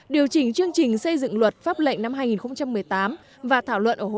điều chỉnh chương trình xây dựng luật pháp lệnh năm hai nghìn một mươi tám và thảo luận ở hội trường về dự án luật trồng trọt